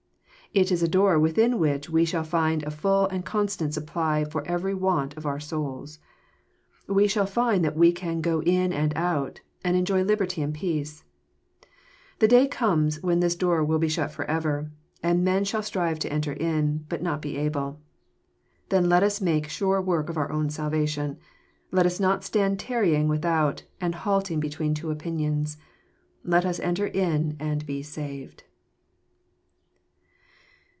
It is a door within which we shall find a full and constant supply for every want of our souls. We shall find that we can " go in j.nd out," and enjoy liberty and peace. The day comes when this door will be shut forever, and men shall strive to enter in, but not be able. Then let us make sure work of our own salvation. Let us not stand tarrying without, and halting between two opinions. Let us enter in and be saved.